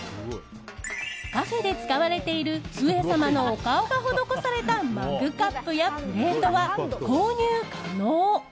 カフェで使われている上様のお顔が施されたマグカップやプレートは購入可能。